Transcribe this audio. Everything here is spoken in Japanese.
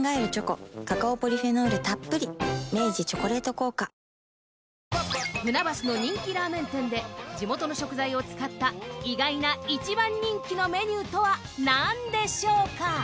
このあとその船橋の人気ラーメン店で地元の食材を使った意外な一番人気のメニューとはなんでしょうか？